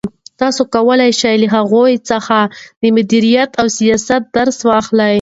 تاسو کولای شئ چې له هغوی څخه د مدیریت او سیاست درس واخلئ.